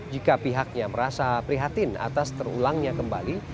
jika pihaknya merasa prihatin atas terulangnya kembali